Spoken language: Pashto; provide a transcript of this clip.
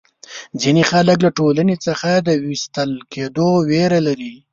ځینې خلک له ټولنې څخه د وېستل کېدو وېره لري.